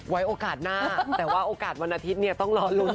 โอกาสหน้าแต่ว่าโอกาสวันอาทิตย์เนี่ยต้องรอลุ้น